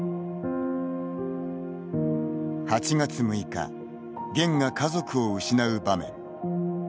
８月６日、ゲンが家族を失う場面。